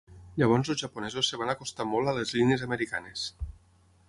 Llavors els japonesos es van acostar molt a les línies americanes.